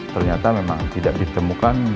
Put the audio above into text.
ternyata memang tidak ditemukan